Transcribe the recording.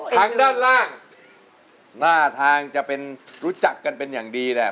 ทางด้านล่างหน้าทางจะเป็นรู้จักกันเป็นอย่างดีแหละ